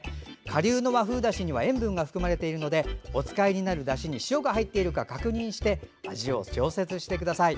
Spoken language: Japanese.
かりゅうの和風だしには塩分が含まれているのでお使いになるだしに塩が入っているか確認して味を調節してください。